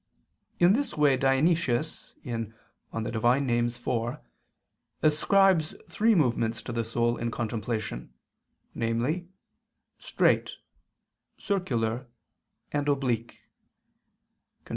In this way Dionysius (Div. Nom. iv) ascribes three movements to the soul in contemplation, namely, "straight," "circular," and "oblique" [*Cf.